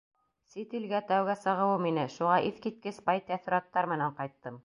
— Сит илгә тәүгә сығыуым ине, шуға иҫ киткес бай тәьҫораттар менән ҡайттым.